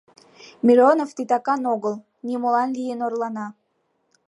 Миронов титакан огыл, нимолан лийын орлана.